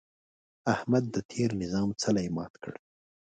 احمد د تېر نظام څلی مات کړ.